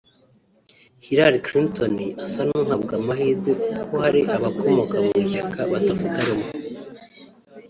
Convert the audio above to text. Hillary Clinton asa n’uhabwa amahirwe kuko hari abakomoka mu ishyaka batavuga rumwe